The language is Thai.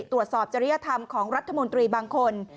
ตรวจสอบจริยธรรมของรัฐมนตรีบางคน